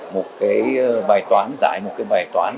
một cái bài toán giải một cái bài toán